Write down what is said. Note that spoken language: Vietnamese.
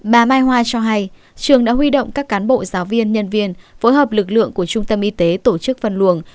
bà mai hoa cho hay trường đã huy động các cán bộ giáo viên nhân viên phối hợp lực lượng của trung tâm y tế tổ chức phân luồng